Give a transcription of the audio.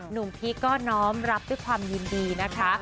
หนุ่มพี่ก็น้อมรับด้วยความยืนดีนะคะ